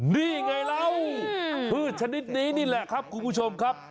นี่ไงแล้วพืชชนิดนี้นี่แหละครับคุณผู้ชมครับ